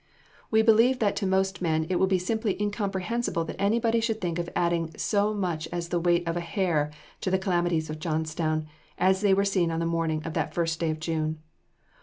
We believe that to most men it will be simply incomprehensible that anybody should think of adding so much as the weight of a hair to the calamities of Johnstown, as they were seen on the morning of that first day of June.